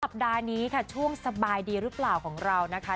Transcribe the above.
สัปดาห์นี้ค่ะช่วงสบายดีหรือเปล่าของเรานะคะ